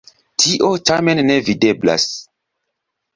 Tio tamen ne videblas.